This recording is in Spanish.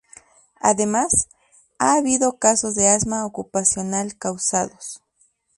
Además, ha habido casos de asma ocupacional causados.